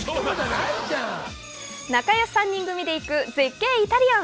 仲良し３人組で行く絶景イタリアン。